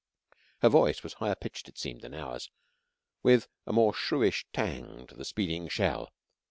Her voice was higher pitched, it seemed, than ours with a more shrewish tang to the speeding shell.